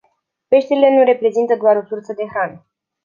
Peștele nu reprezintă doar o sursă de hrană.